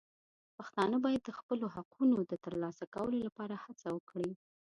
پښتانه باید د خپلو حقونو د ترلاسه کولو لپاره هڅه وکړي.